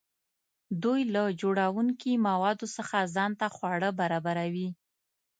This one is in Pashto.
دوی له جوړونکي موادو څخه ځان ته خواړه برابروي.